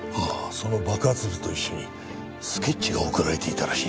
その爆発物と一緒にスケッチが送られていたらしい。